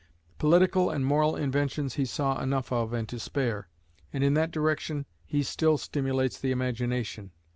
Political and moral inventions he saw enough of and to spare, and in that direction he still stimulates the imagination.